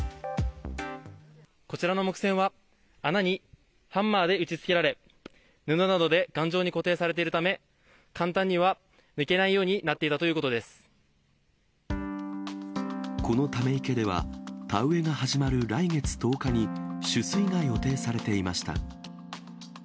こちらの木栓は、穴にハンマーで打ちつけられ、布などで頑丈に固定されているため、簡単には抜けないようになっこのため池では、田植えが始まる来月１０日に、取水が予定されていました。